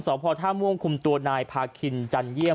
สอบพอท่าม่วงคุมตัวนายพาคินจันเยี่ยม